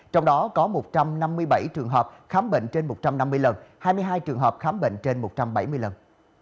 trong đó có một trăm năm mươi bảy trường hợp khám bệnh trên một trăm năm mươi lần hai mươi hai trường hợp khám bệnh trên một trăm bảy mươi lần